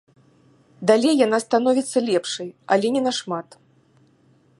Далей яна становіцца лепшай, але не нашмат.